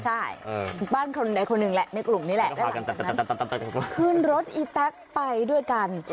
ใช่บ้านคนใดคนหนึ่งแหละในกลุ่มนี้แหละขึ้นรถอีแต๊กไปด้วยกัน